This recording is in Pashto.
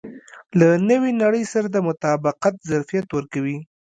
له نوې نړۍ سره د مطابقت ظرفیت ورکوي.